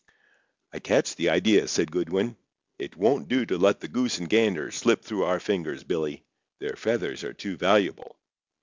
"I catch the idea," said Goodwin. "It won't do to let the goose and gander slip through our fingers, Billy; their feathers are too valuable.